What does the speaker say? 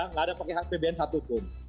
tidak ada pakai apbn satupun